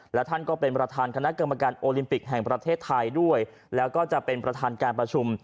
และท่านก็เป็นประธานคณะกรรมการโอลิมปิกแห่งประเทศไทยด้วยแล้วก็จะเป็นประธานการประชุม